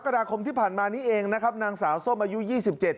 กราคมที่ผ่านมานี้เองนะครับนางสาวส้มอายุยี่สิบเจ็ด